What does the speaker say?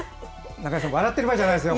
中江さん、笑っている場合じゃないんですよ。